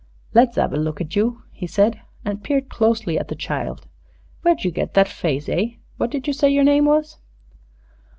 "Let's 'ave a look at you," he said, and peered closely at the child. "Where'd you get that face, eh? What did you say your name was?"